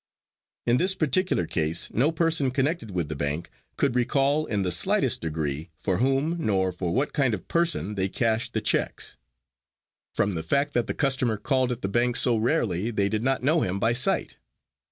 In this particular case no person connected with the bank could recall in the slightest degree for whom, nor for what kind of person they cashed the checks. From the fact that the customer called at the bank so rarely they did not know him by sight.